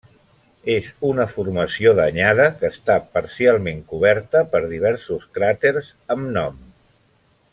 És una formació danyada que està parcialment coberta per diversos cràters amb nom.